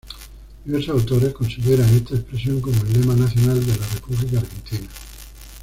Diversos autores consideran esta expresión como el lema nacional de la República Argentina.